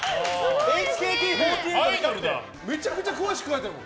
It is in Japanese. めちゃくちゃ詳しく書いてある。